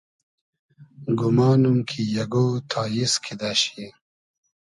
گومانوم کی اگۉ تاییز کیدۂ شی